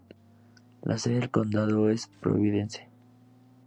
La sede del condado es Providence.